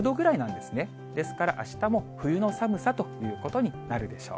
ですから、あしたも冬の寒さということになるでしょう。